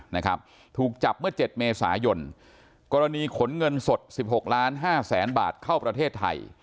นะครับถูกจับเมื่อเจ็ดเมษายนกรณีขนเงินสดสิบหกล้านห้าแสนบาทเข้าประเทศไทย